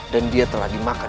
dan dia telah dimakan